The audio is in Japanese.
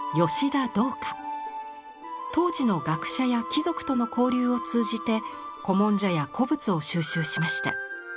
当時の学者や貴族との交流を通じて古文書や古物を収集しました。